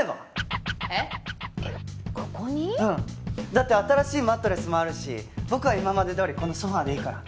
だって新しいマットレスもあるし僕は今までどおりこのソファでいいから。